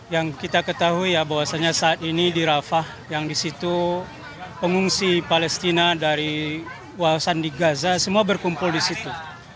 yang kita ketahui ya bahwasannya saat ini di rafah yang di situ pengungsi palestina dari wawasan di gaza semua berkumpul di situ